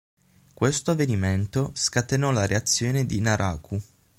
Questo avvenimento scatenò la reazione di Naraku.